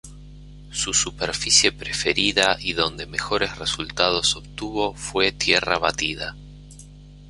Su superficie preferida y donde mejores resultados obtuvo fue tierra batida.